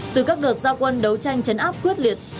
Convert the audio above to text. trong các đợt gia quân đấu tranh chấn áp quyết liệt